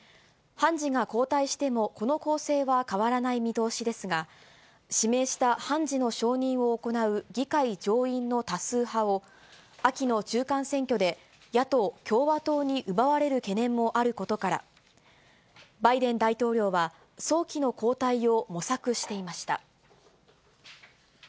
判事が交代してもこの構成は変わらない見通しですが、指名した判事の承認を行う議会上院の多数派を、秋の中間選挙で野党・共和党に奪われる懸念もあることから、バイデン大統領は早期の交代を模索していました。